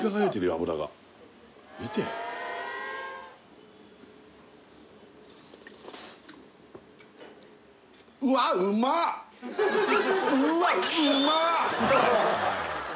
油が見てうーわうまっ！